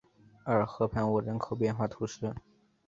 厄尔河畔沃人口变化图示